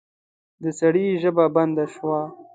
د سړي ژبه بنده شوه.